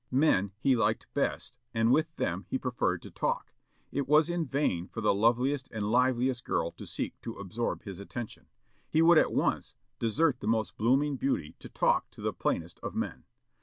Men he liked best, and with them he preferred to talk. It was in vain for the loveliest and liveliest girl to seek to absorb his attention. He would at once desert the most blooming beauty to talk to the plainest of men.